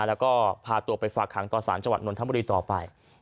แล้วก็พาตัวไปฝากหางต่อสารจังหวัดนทบุรีต่อไป